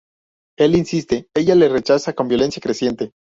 Él insiste, ella le rechaza con violencia creciente.